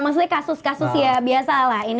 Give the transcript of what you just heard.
maksudnya kasus kasus ya biasa lah ini